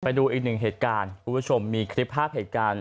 ไปดูอีกหนึ่งเหตุการณ์คุณผู้ชมมีคลิปภาพเหตุการณ์